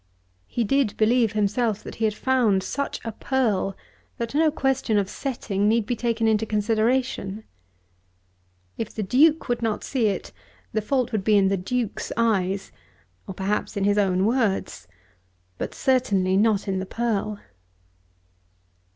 He did believe himself that he had found such a pearl, that no question of setting need be taken into consideration. If the Duke would not see it the fault would be in the Duke's eyes, or perhaps in his own words, but certainly not in the pearl.